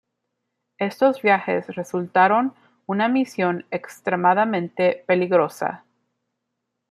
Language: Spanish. Estos viajes resultaron una misión extremadamente peligrosa.